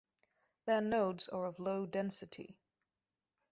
Their nodes are of low density.